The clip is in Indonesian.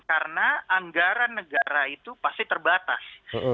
karena anggaran negara itu pasti terbatas